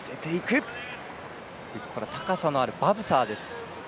高さのあるバブサーです。